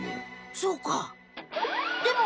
そうか！